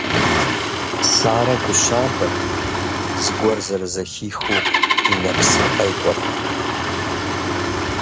Сарэ гу щабэт, зыгуэр зэрызэхихыу и нэпсыр къекӏуэрт.